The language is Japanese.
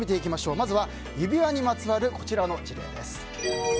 まずは指輪にまつわるこちらの事例です。